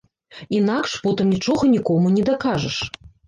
Інакш потым нічога нікому не дакажаш.